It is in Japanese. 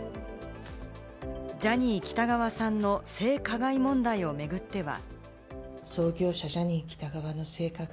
ジャニー喜多川さんの性加害問題を巡っては。